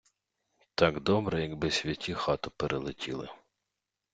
Так добре, якби святі хату перелетіли.